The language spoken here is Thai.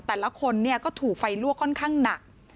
แต่ละคนก็ถูกไฟลั่วค่อนข้างหนัก